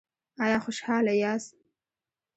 ایا خوشحاله یاست؟